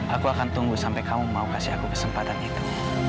aku akan tunggu sampai kamu mau kasih aku kesempatan itu